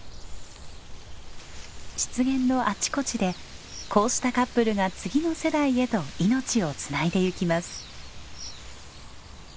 湿原のあちこちでこうしたカップルが次の世代へと命をつないでゆきます。